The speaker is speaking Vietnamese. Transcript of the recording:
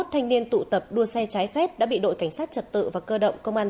hai mươi thanh niên tụ tập đua xe trái phép đã bị đội cảnh sát trật tự và cơ động công an